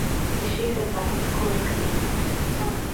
Ишиҳәаз афатәқәа лырхиеит.